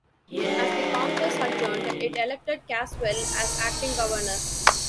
As the congress adjourned, it elected Caswell as acting governor.